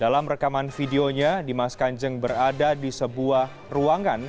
dalam rekaman videonya dimas kanjeng berada di sebuah ruangan